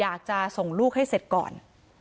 อยากจะส่งลูกให้เสร็จก่อน